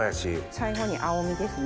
最後に青みですね